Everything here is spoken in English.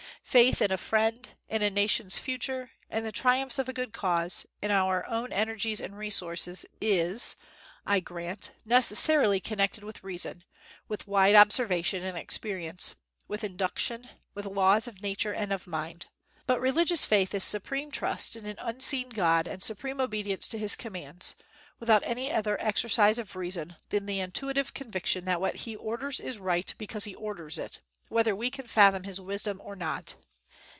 Faith in a friend, in a nation's future, in the triumphs of a good cause, in our own energies and resources is, I grant, necessarily connected with reason, with wide observation and experience, with induction, with laws of nature and of mind. But religious faith is supreme trust in an unseen God and supreme obedience to his commands, without any other exercise of reason than the intuitive conviction that what he orders is right because he orders it, whether we can fathom his wisdom or not.